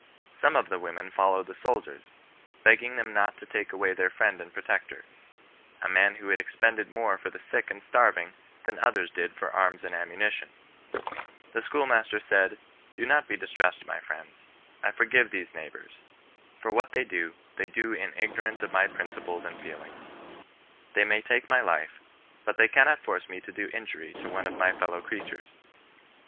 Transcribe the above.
Some of the women followed the soldiers, beg gmg them not to take away their friend and protector, a man who expended more for the sick and starving than others did for arms and ammunition. The school master said, '^ Do not be distressed my friends. I forgire these neighbours ; for what they do, they do in ignorance of my principles and feelings. They may take my life, but they cannot force me to do injury to one of my fel low creatures."